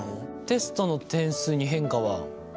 テストの点数に変化は？